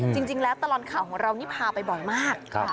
จริงแล้วตลอดข่าวของเรานี่พาไปบ่อยมาก